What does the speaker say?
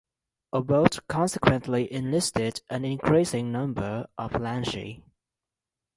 Obote consequently enlisted an increasing number of Langi.